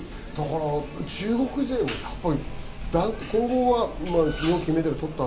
中国勢も混合は日本が金メダルを取った。